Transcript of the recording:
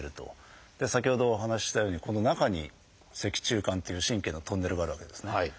先ほどお話ししたようにこの中に脊柱管っていう神経のトンネルがあるわけですね。